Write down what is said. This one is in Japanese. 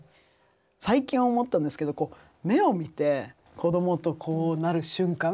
最近思ったんですけど目を見て子どもとこうなる瞬間。